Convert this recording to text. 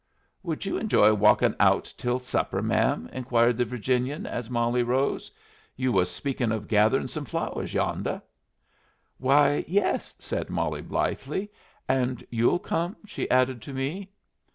"Would you enjoy walkin' out till supper, ma'am?" inquired the Virginian as Molly rose. "You was speaking of gathering some flowers yondeh." "Why, yes," said Molly, blithely. "And you'll come?" she added to me.